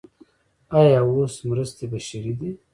آیا اوس مرستې بشري دي؟